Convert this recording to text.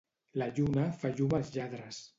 La lluna fa llum als lladres.